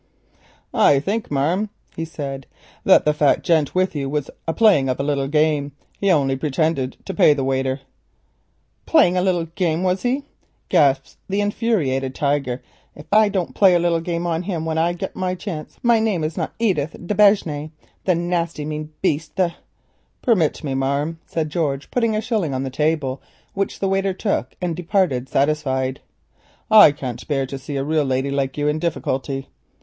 "I think, marm," he said, "that the fat gent with you was a playing of a little game. He only pretinded to pay the waiter." "Playing a game, was he?" gasped the infuriated Tiger. "If I don't play a little game on him when I get a chance my name is not Edith d'Aubigne, the nasty mean beast—the——" "Permit me, marm," said George, putting a shilling on the table, which the waiter took and went away. "I can't bear to see a real lady like you in difficulty."